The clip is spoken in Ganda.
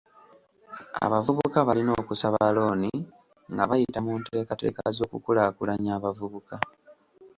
Abavubuka balina okusaba looni nga bayita mu nteekateeka z'okukulaakulanya abavubuka.